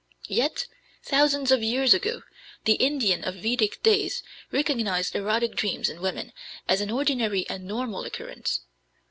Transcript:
Yet, thousands of years ago, the Indian of Vedic days recognized erotic dreams in women as an ordinary and normal occurrence.